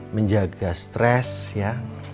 menjaga stres ya